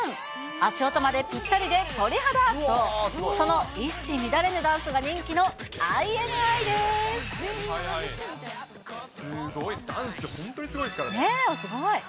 足音までぴったりで鳥肌と、その一糸乱れぬダンスが人気のＩすごい、すごい。